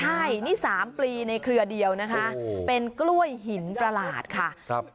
ใช่นี่๓ปลีในเครือเดียวนะคะเป็นกล้วยหินประหลาดค่ะ